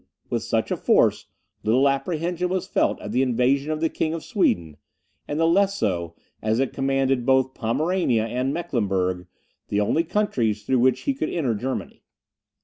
With such a force, little apprehension was felt at the invasion of the King of Sweden, and the less so as it commanded both Pomerania and Mecklenburg, the only countries through which he could enter Germany.